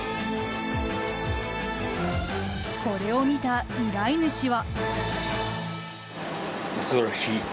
これを見た依頼主は。